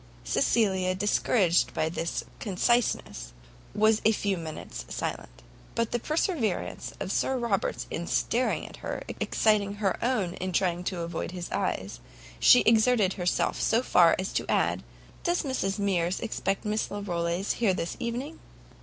Cecilia, discouraged by this conciseness, was a few minutes silent; but the perseverance of Sir Robert in staring at her, exciting her own in trying to avoid his eyes, she exerted herself so far as to add, "Does Mrs Mears expect Miss Larolles here this evening?"